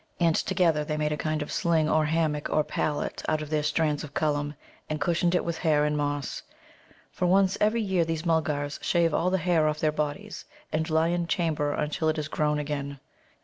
And together they made a kind of sling or hammock or pallet out of their strands of Cullum, and cushioned it with hair and moss. For once every year these Mulgars shave all the hair off their bodies, and lie in chamber until it is grown again.